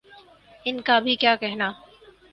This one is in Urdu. ان کا بھی کیا کہنا۔